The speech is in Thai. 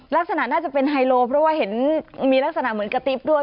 ลักษณะน่าจะเป็นไฮโลเพราะว่าเห็นมีลักษณะเหมือนกระติ๊บด้วย